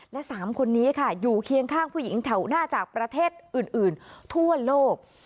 และ๓คนนี้ค่ะอยู่เคียงข้างผู้หญิงแถวหน้าจากประเทศอื่นทั่วโลก